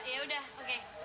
ya udah oke